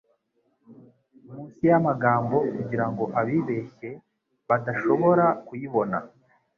Munsi yamagambo kugirango abibeshye badashobora kuyibona,